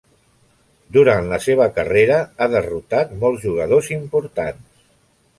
Durant la seva carrera ha derrotat molts jugadors importants.